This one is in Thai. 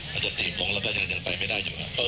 จะตีผมแล้วก็ยังไปไม่ได้อยู่ครับ